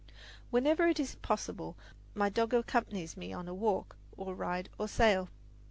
Whenever it is possible, my dog accompanies me on a walk or ride or sail.